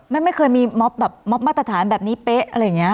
ไม่เคยมีม็อบแบบม็อบมาตรฐานแบบนี้เป๊ะอะไรอย่างนี้